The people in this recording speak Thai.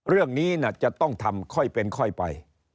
เรื่องนี้จะต้องทำค่อยเป็นค่อยไป